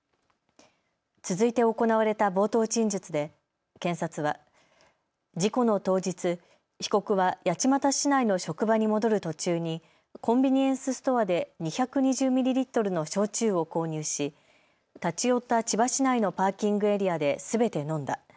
続いて行われた冒頭陳述で検察は事故の当日、被告は八街市内の職場に戻る途中にコンビニエンスストアで２２０ミリリットルの焼酎を購入し立ち寄った千葉市内のパーキングエリアですべて飲んだ。